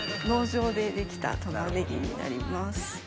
農場でできた玉ねぎになります。